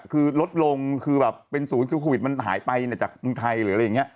คือลดลงก็คือเป็นสูญควอินทร์บินมันหายไปจากเวียงไทย